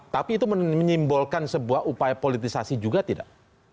tapi itu menyimbolkan sebuah upaya politisasi juga tidak